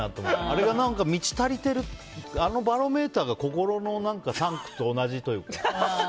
あれが満ち足りてるあのバロメーターが心のタンクと同じというか。